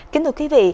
kính thưa quý vị